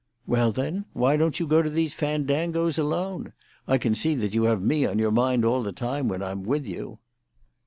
"Well, then, why don't you go to these fandangoes alone? I can see that you have me on your mind all the time, when I'm with you."